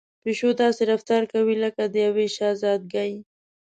پيشو داسې رفتار کوي لکه د يوې شهزادګۍ.